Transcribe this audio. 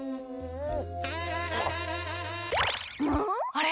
あれ？